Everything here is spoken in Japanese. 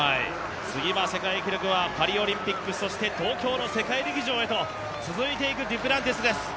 次は世界記録はパリオリンピック、そして東京の世界陸上へと続いていくデュプランティスです。